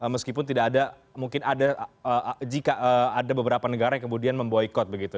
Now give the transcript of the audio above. meskipun tidak ada mungkin ada jika ada beberapa negara yang kemudian memboykot begitu